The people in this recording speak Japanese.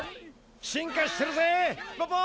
進化してるぜヒポポ！